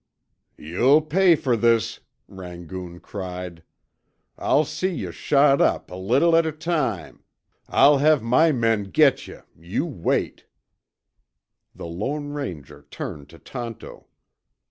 "You'll pay fer this," Rangoon cried. "I'll see yuh shot up, a little at a time I'll have my men git yuh, you wait." The Lone Ranger turned to Tonto.